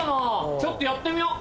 ちょっとやってみよう！